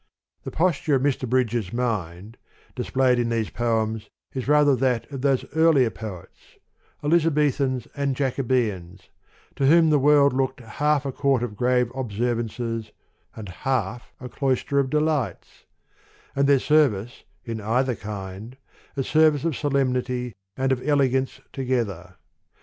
The posture of Mr. Bridges' mind, displayed in these poems, is rather that of those earlier poets, Elizabethans and Jacobeans, to whom the world looked half a court of grave observ ances, and half a cloister of delights : and their service in either kind, a service of solemnity and of elegance together.